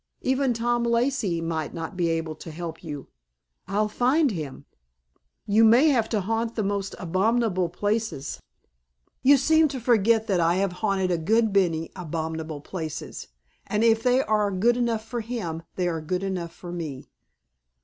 Even Tom Lacey might not be able to help you." "I'll find him." "You may have to haunt the most abominable places." "You seem to forget that I have haunted a good many abominable places. And if they are good enough for him they are good enough for me."